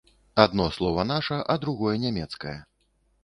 Адно слова наша, а другое нямецкае.